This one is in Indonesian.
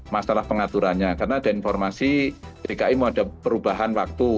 masalah pengaturannya karena ada informasi dki mau ada perubahan waktu